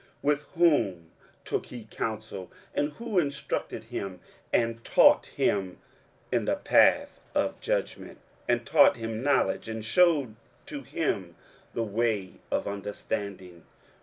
23:040:014 With whom took he counsel, and who instructed him, and taught him in the path of judgment, and taught him knowledge, and shewed to him the way of understanding?